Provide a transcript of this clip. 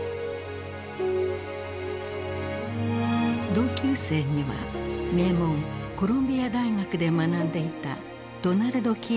同級生には名門コロンビア大学で学んでいたドナルド・キーンもいた。